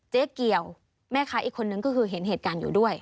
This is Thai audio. เจ๊เกี่ยวแม่ค้าอีกคนนึงก็คือเห็นเหตุการณ์อยู่ด้วย